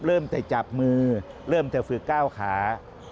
เริ่มแต่จับมือเริ่มจะฝึกก้าวขา